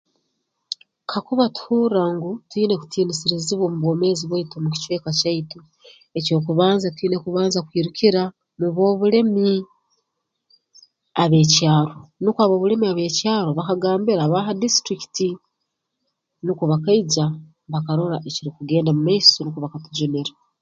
Kakuba tuhurra ngu twine kutiinisizibwa omu bwomeezi bwaitu mu kicweka kyaitu eky'okubanza twina kubanza kwirukira mu b'obulemi ab'ekyaro nukwo ab'obulemi ab'ekyaro bakagambira aba ha disiturrikiti nukwo bakaija bakarora ekirukugenda mu maiso nukwo bakatujunira